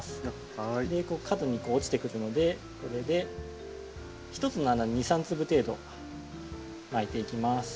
角にこう落ちてくるのでこれで１つの穴に２３粒程度まいていきます。